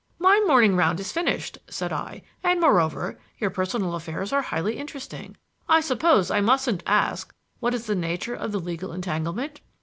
"My morning round is finished," said I, "and, moreover, your personal affairs are highly interesting. I suppose I mustn't ask what is the nature of the legal entanglement?"